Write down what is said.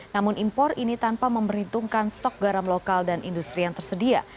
namun impor ini tanpa memperhitungkan stok garam lokal dan industri yang tersedia